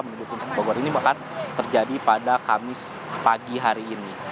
menuju puncak bogor ini bahkan terjadi pada kamis pagi hari ini